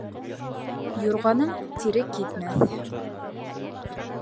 Юрғаның тире кипмәҫ